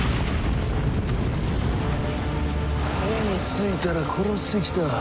目についたら殺してきた。